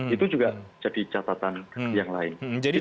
itu juga jadi catatan yang lain